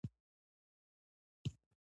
هګۍ د ماشومانو لپاره مهم خواړه دي.